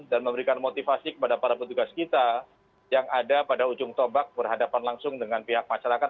dan memberikan motivasi kepada para petugas kita yang ada pada ujung tobak berhadapan langsung dengan pihak masyarakat